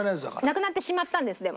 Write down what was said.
なくなってしまったんですでも。